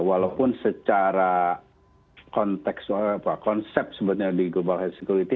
walaupun secara konsep sebenarnya di global health security